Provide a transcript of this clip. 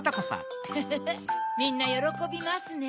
フフフみんなよろこびますね。